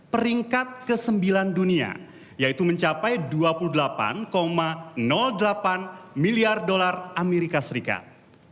peringkat ke sembilan dunia yaitu mencapai dua puluh delapan delapan miliar dolar amerika serikat